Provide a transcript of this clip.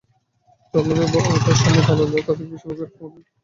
ট্রলারে থাকার সময় দালালেরা তাঁদেরকে বেশির ভাগ সময়ই খাবার দিত না।